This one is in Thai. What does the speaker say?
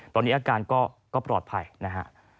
ตอนนี้อาการก็ปลอดภัยนะฮะ